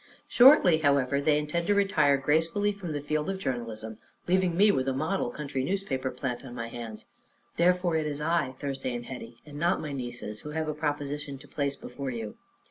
Shortly, however, they intend to retire gracefully from the field of journalism, leaving me with a model country newspaper plant on my hands. Therefore it is I, Thursday and Hetty, and not my nieces, who have a proposition to place before you.